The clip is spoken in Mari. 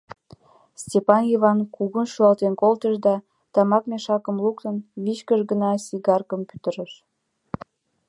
Стапан Йыван кугун шӱлалтен колтыш да, тамак мешакым луктын, вичкыж гына сигаркым пӱтырыш.